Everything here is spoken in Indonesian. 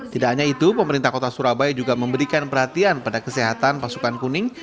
tidak hanya itu pemerintah kota surabaya juga memberikan perhatian pada kesehatan pasukan kuning